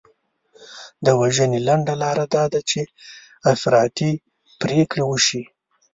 د وژنې لنډه لار دا ده چې افراطي پرېکړې وشي.